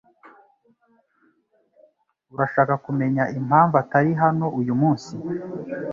Urashaka kumenya impamvu atari hano uyumunsi?